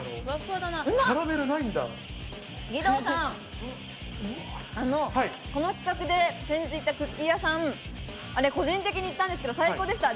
義堂さん、あの、この企画で先日行ったクッキー屋さん、あれ個人的に行ったんですけど最高でした。